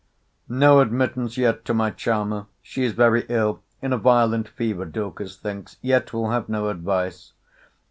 No admittance yet to my charmer! she is very ill—in a violent fever, Dorcas thinks. Yet will have no advice.